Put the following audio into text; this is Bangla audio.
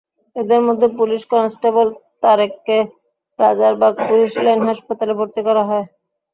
এদের মধ্যে পুলিশ কনস্টেবল তারেককে রাজারবাগ পুলিশ লাইন হাসপাতালে ভর্তি করা হয়।